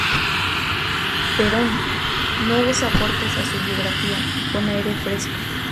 Perón, nuevos aportes a su biografía "Con Aire Fresco".